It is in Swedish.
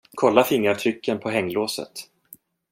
Kolla fingeravtrycken på hänglåset.